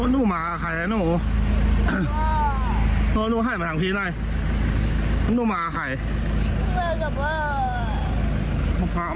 นู่มากับใครแล้วนู่นู่ให้มาทางพีชไหนนู่มากับใคร